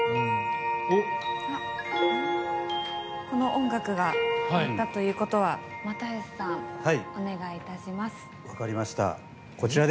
音楽が鳴ったということは又吉さん、お願いします。